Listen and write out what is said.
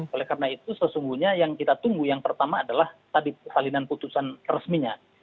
oleh karena itu sesungguhnya yang kita tunggu yang pertama adalah tadi salinan putusan resminya